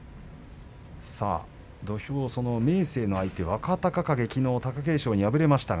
明生の相手の若隆景きのうは貴景勝に敗れましたね。